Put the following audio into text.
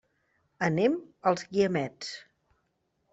Anem als Guiamets.